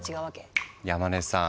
山根さん